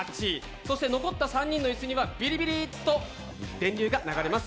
そして、残った３人の椅子にはビリビリッと電流が流れます。